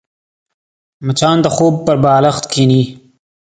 مچان د خوب پر بالښت کښېني